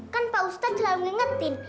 kan pak ustadz selalu mengingatkan